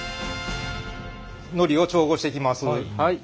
のりを調合していきます。